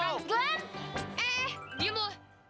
gan eh eh diam lo